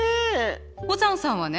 保山さんはね